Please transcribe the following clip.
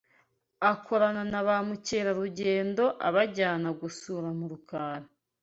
akorana na ba mukerarugendo abajyana gusura mu Rukari